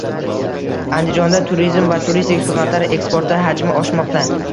Andijonda turizm va turistik xizmatlar eksporti hajmi oshmoqda